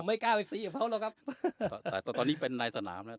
ไม่กล้าไปซี้กับเขาหรอกครับแต่ตอนนี้เป็นในสนามแล้ว